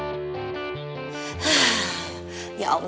ya allah mudah mudahan anak anak itu bisa ditangkep terus dikasih hukuman yang setuju